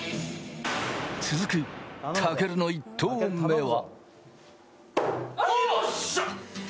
続く、たけるの１投目は。